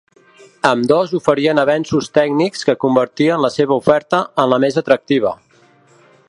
Ambdós oferien avenços tècnics que convertien la seva oferta en la més atractiva.